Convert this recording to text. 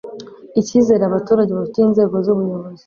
icyizere abaturage bafitiye inzego z ubuyobozi